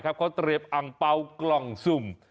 เขาเตรียมอังเปล่ากล่องสุ่ม